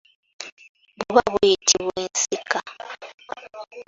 Buba buyitibwa ensika.